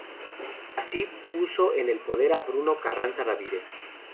Así puso en el poder a Bruno Carranza Ramírez.